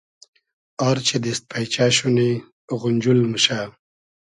آر چی دیست پݷچۂ شونی غونجول موشۂ